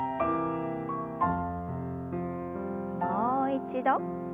もう一度。